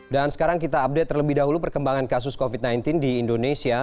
dan sekarang kita update terlebih dahulu perkembangan kasus covid sembilan belas di indonesia